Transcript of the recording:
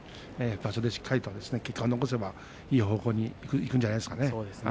場所でしっかりと結果を残せばいい方向にいくんじゃないですか。